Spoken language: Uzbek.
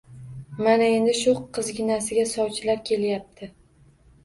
Mana endi shu qizginasiga sovchilar kelyapti